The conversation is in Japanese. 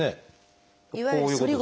こういうことですね。